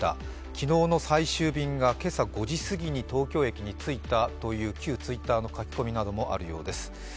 昨日の最終便が今朝５時過ぎに東京駅に着いたという旧Ｔｗｉｔｔｅｒの書き込みもあるようです。